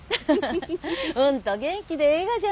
うんと元気でええがじゃないが。